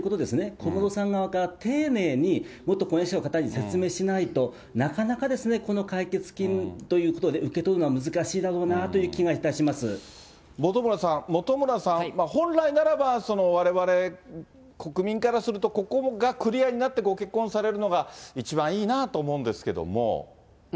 小室さん側から丁寧に、元婚約者の方に説明しないと、なかなか、この解決金ということを受け取るのは難しいだろうなという気がい本村さん、本村さん、本来ならば、われわれ、国民からすると、ここがクリアになって、ご結婚されるのが一番いいなぁと思うんですけれども。